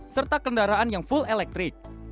serta kendaraan yang full elektrik